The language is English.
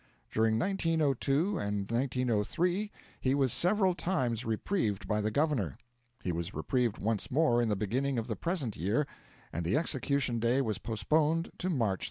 During 1902 and 1903 he was several times reprieved by the governor; he was reprieved once more in the beginning of the present year, and the execution day postponed to March 31.